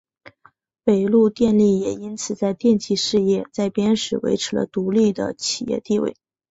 北陆电力也因此在电气事业再编时维持了独立的企业地位。